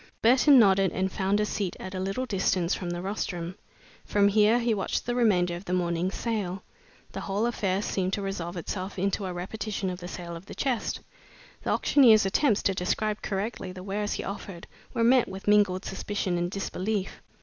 Burton nodded and found a seat at a little distance from the rostrum. From here he watched the remainder of the morning's sale. The whole affair seemed to resolve itself into a repetition of the sale of the chest. The auctioneer's attempts to describe correctly the wares he offered were met with mingled suspicion and disbelief.